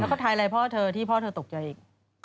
แล้วก็ทายอะไรพ่อเธอที่พ่อเธอตกใจอีก